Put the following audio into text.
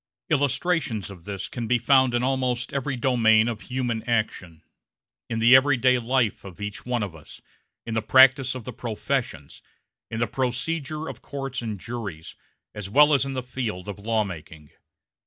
Illustrations of this can be found in almost every domain of human action in the everyday life of each one of us, in the practice of the professions, in the procedure of courts and juries, as well as in the field of law making.